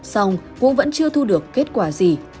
xong cũng vẫn chưa thu được kết quả gì